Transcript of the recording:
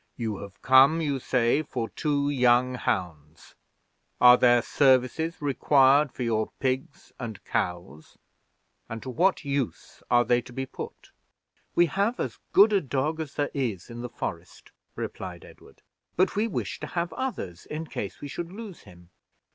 You have come, you say, for two young hounds. Are their services required for your pigs and cows, and to what uses are they to be put." "We have as good a dog as there is in the forest," replied Edward; "but we wished to have others in case we should lose him."